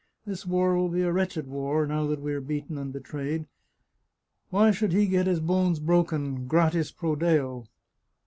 This war will be a wretched war, now that we are beaten and betrayed. Why should he get his bones broken, gratis pro Deo!